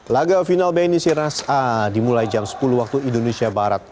laga final bni sirnas a dimulai jam sepuluh waktu indonesia barat